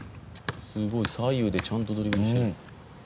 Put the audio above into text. すごい左右でちゃんとドリブルしてる。